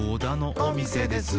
「おみせです」